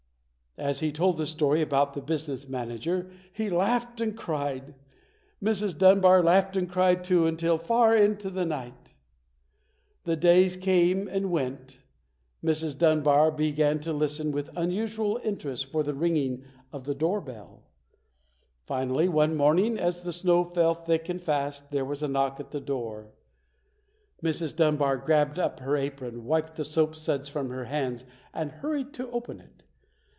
As he told the story about the business manager he laughed and cried. Mrs. Dunbar laughed and cried too until far into the night. As the days came and went, Mrs. Dunbar be gan to listen with unusual interest for the ringing of the door bell. Finally, one morning as the snow fell thick and fast, there was a knock at the door. Mrs. Dunbar grabbed up her apron, wiped the soapsuds from her hands and hurried to open it.